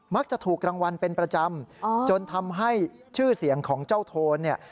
ถูกรางวัลเป็นประจำจนทำให้ชื่อเสียงของเจ้าโทนเนี่ย